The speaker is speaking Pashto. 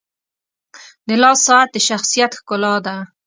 • د لاس ساعت د شخصیت ښکلا ده.